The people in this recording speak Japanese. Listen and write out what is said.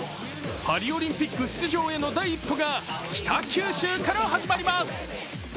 パリオリンピック出場への第一歩が北九州から始まります。